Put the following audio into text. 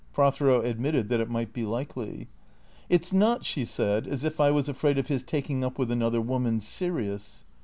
Prothero admitted that it might be likely. " It 's not," she said, " as if I was afraid of 'is taking up with another woman — serious."